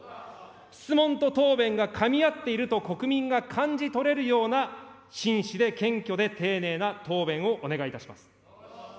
質問と答弁がかみ合っていると国民が感じ取れるような、真摯で謙虚で丁寧な答弁をお願いいたします。